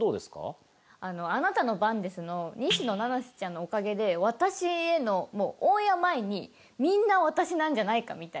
『あなたの番です』の西野七瀬ちゃんのおかげでオンエア前にみんな私なんじゃないかみたいな。